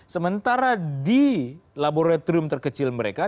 sementara di laboratorium terkecil mereka